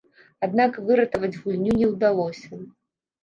Аднак выратаваць гульню не ўдалося.